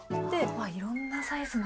いろんなサイズの。